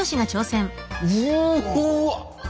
うわ！